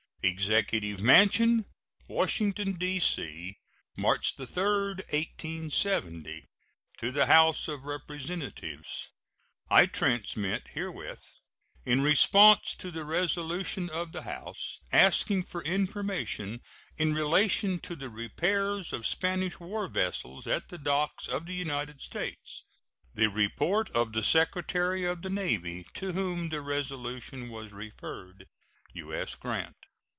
EXECUTIVE MANSION, Washington, D.C., March 3, 1870. To the House of Representatives: I transmit herewith, in response to the resolution of the House asking for information in relation to the repairs of Spanish war vessels at the docks of the United States, the report of the Secretary of the Navy, to whom the resolution was referred. U.S. GRANT.